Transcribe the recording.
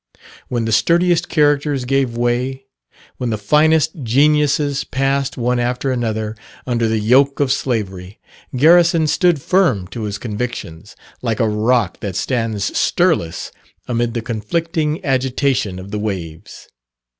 When the sturdiest characters gave way, when the finest geniuses passed one after another under the yoke of slavery, Garrison stood firm to his convictions, like a rock that stands stirless amid the conflicting agitation of the waves.